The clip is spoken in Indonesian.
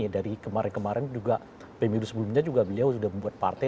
dari kemarin kemarin juga pemilu sebelumnya juga beliau sudah membuat partai